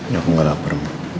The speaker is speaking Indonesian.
ya aku gak lapar